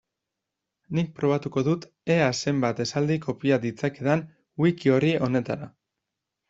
Nik probatuko dut ea zenbat esaldi kopia ditzakedan wiki-orri honetara.